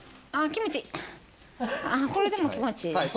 これでも気持ちいいな。